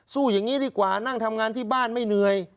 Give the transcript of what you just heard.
สู้อย่างนี้ดีกว่านั่งทำงานที่บ้านไม่เหนื่อย